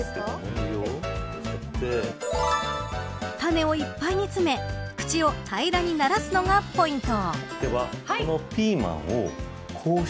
タネをいっぱいに詰め口を平らにならすのがポイント。